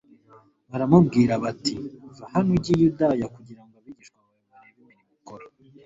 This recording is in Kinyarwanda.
Baramubwiye bati: «Va hano ujye i Yudaya kugira ngo abigishwa bawe barebe imirimo ukora;